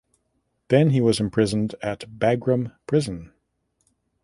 Then he was imprisoned at Bagram prison.